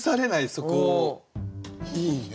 そこいいね。